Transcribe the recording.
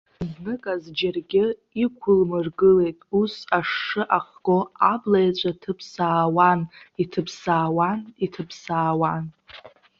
Зныказ џьаргьы иқәылмыргылеит, ус ашшы ахго абла иаҵәа ҭыԥсаауан, иҭыԥсаауан, иҭыԥсаауан.